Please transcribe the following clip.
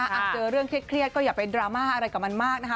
เจอเรื่องเครียดก็อย่าไปดราม่าอะไรกับมันมากนะคะ